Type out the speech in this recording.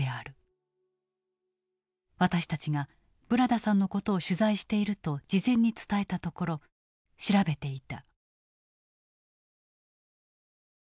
私たちがブラダさんのことを取材していると事前に伝えたところ調べていた。